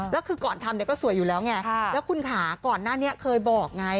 แล้วคือก่อนทำเนี่ยก็สวยอยู่แล้วไงแล้วคุณค่ะก่อนหน้านี้เคยบอกไง